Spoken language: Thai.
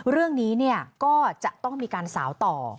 เรื่องนี้ก็จะต้องมีการสาวต่อ